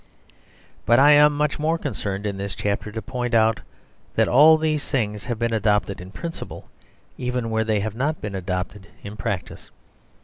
But I am much more concerned in this chapter to point out that all these things have been adopted in principle, even where they have not been adopted in practice.